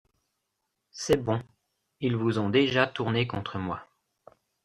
C’est bon, ils vous ont déjà tourné contre moi...